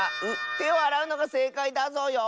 てをあらうのがせいかいだぞよ。